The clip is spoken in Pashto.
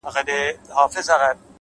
ژوند د فکر انعکاس دی,